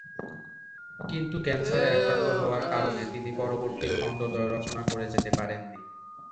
কিন্তু ক্যান্সারে আক্রান্ত হওয়ার কারণে তিনি পরবর্তী খণ্ডদ্বয় রচনা করে যেতে পারেন নি।